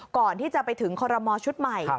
ก่อนที่จะไปถึงคอรมอลชุดใหม่